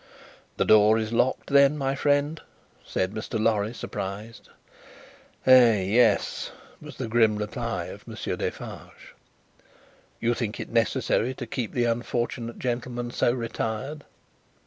"The door is locked then, my friend?" said Mr. Lorry, surprised. "Ay. Yes," was the grim reply of Monsieur Defarge. "You think it necessary to keep the unfortunate gentleman so retired?"